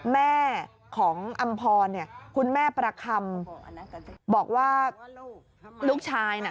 แม่ของอำพรเนี่ยคุณแม่ประคำบอกว่าลูกชายน่ะ